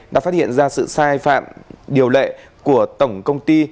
đã phát hiện ra sự sai phạm điều lệ của tổng công ty